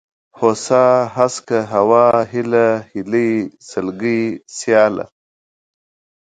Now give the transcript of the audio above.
هوسا ، هسکه ، هوا ، هېله ، هيلۍ ، سلگۍ ، سياله